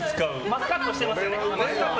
マスカットしてますね。